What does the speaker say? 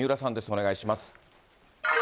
お願いします。